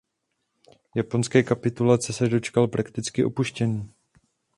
Japonské kapitulace se dočkal prakticky opuštěný.